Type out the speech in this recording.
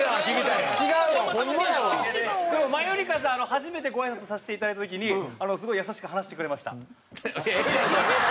初めてごあいさつさせていただいた時にすごい優しく話してくれました。